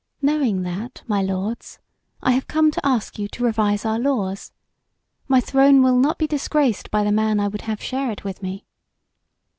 "Knowing that, my lords, I have come to ask you to revise our laws. My throne will not be disgraced by the man I would have share it with me."